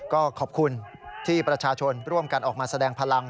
ก็ขอบคุณที่ประชาชนร่วมกันออกมาแสดงพลัง